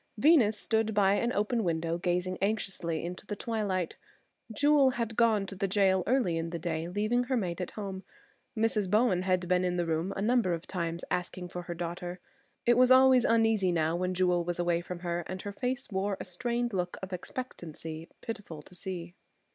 Venus stood by an open window gazing anxiously into the twilight. Jewel had gone to the jail early in the day, leaving her maid at home. Mrs. Bowen had been in the room a number of times asking for her daughter. She was always uneasy now when Jewel was away from her, and her face wore a strained look of expectancy pitiful to see.